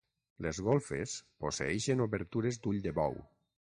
Les golfes posseeixen obertures d'ull de bou.